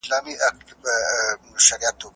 هغه وويل چي درسونه لوستل کول مهم دي؟!